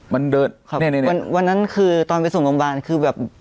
มันเดินในในนี้ครับวันนั้นคือตอนไปสรุปหมบานคือแบบ